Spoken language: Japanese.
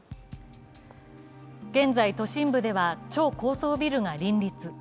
現在都心部では超高層ビルが林立。